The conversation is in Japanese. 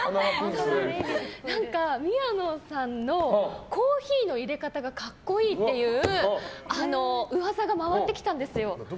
宮野さんのコーヒーの入れ方が格好いいっていう噂が回ってきたんですよ。